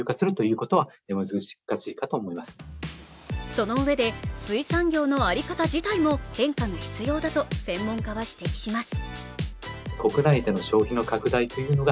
そのうえで水産業の在り方自体も変化が必要だと専門家は指摘します。